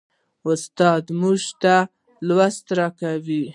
استاد موږ ته لوست راکړ.